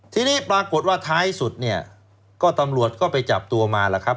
ทีนี้ปรากฏว่าท้ายสุดเนี่ยก็ตำรวจก็ไปจับตัวมาแล้วครับ